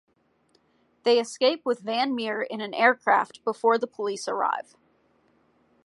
They escape with Van Meer in an aircraft before the police arrive.